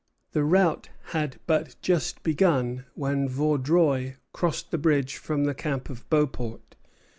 The rout had but just begun when Vaudreuil crossed the bridge from the camp of Beauport.